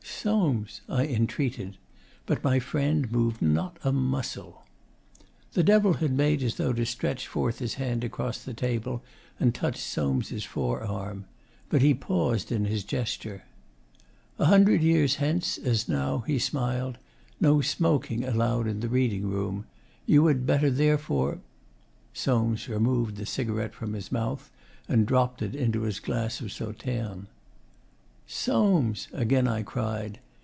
'Soames!' I entreated. But my friend moved not a muscle. The Devil had made as though to stretch forth his hand across the table and touch Soames' forearm; but he paused in his gesture. 'A hundred years hence, as now,' he smiled, 'no smoking allowed in the reading room. You would better therefore ' Soames removed the cigarette from his mouth and dropped it into his glass of Sauterne. 'Soames!' again I cried.